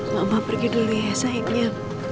mama pergi dulu ya sayangnya